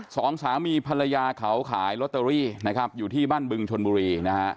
สองสามีภรรยาเขาขายล็อตเตอรี่อยู่ที่บ้านบึงชนบุรี